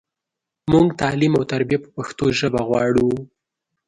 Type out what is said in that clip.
مونږ تعلیم او تربیه په پښتو ژبه غواړو